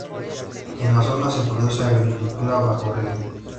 En la zona se produce agricultura bajo riego.